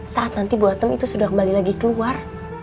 saat nanti bu atem itu sudah kembali lagi keluar